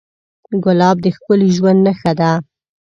ګلاب د ښکلي ژوند نښه ده.